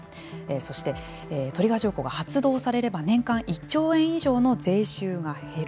そしてトリガー条項が発動されれば年間１兆円以上の税収が減る。